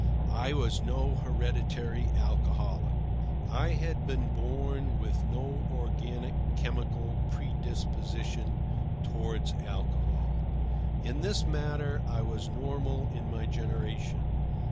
I was no hereditary alcoholic. I had been born with no organic, chemical predisposition toward alcohol. In this matter I was normal in my generation.